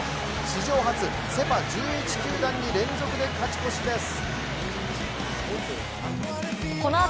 史上初、セ・パ１１球団に連続で勝ち越しです。